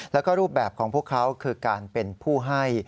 แล้วก็รูปแบบของพวกเขาคือการเป็นผู้ให้